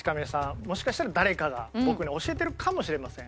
もしかしたら誰かが僕に教えてるかもしれません。